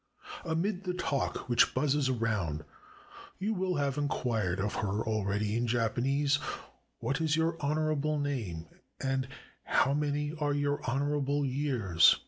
Amid the talk which buzzes around, you will have inquired of her already in Japan ese, ''What is your honorable name?" and "How many are your honorable years?"